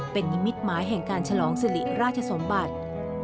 เป็นนิมิตหมายแห่งการฉลองสิริราชสมบัติ